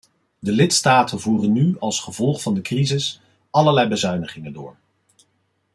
De lidstaten voeren nu als gevolg van de crisis allerlei bezuinigingen door.